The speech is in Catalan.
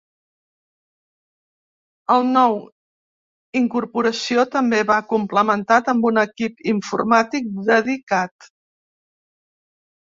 El nou incorporació també va complementat amb un equip informàtic dedicat.